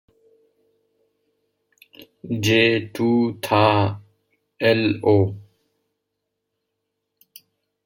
J to tha L-O!